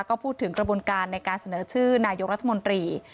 ก็พูดถึงกระบวนการในการเสนอชื่อนายกรัฐมนตรี